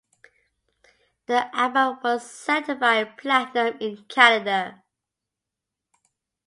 The album was certified platinum in Canada.